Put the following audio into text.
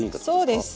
そうです。